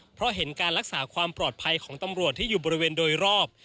เพราะเห็นการรักษาความปลอดภัยของตำรวจที่อยู่บริเวณโดยรอบ